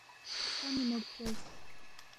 ہرتا مِنید زیرس